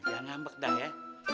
jangan hambek dah ya